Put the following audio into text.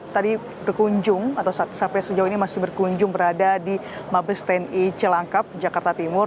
tadi berkunjung atau sampai sejauh ini masih berkunjung berada di mabes tni celangkap jakarta timur